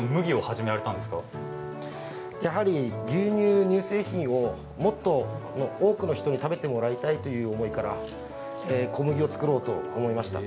やはり牛乳乳製品をもっと多くの人に食べてもらいたいという思いから小麦を作ろうと思いました。